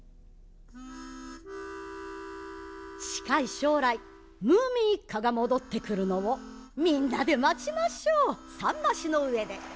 近い将来ムーミン一家が戻ってくるのをみんなで待ちましょう桟橋の上で。